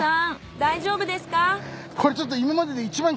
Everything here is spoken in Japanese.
大丈夫ですか？